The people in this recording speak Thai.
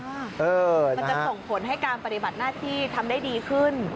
มันจะส่งผลให้การปฏิบัติหน้าที่ทำได้ดีขึ้น